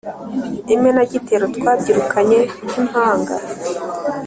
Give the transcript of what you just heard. Imenagitero twabyirukanye nk’impanga